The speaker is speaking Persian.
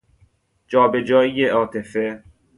جا به جایی عاطفه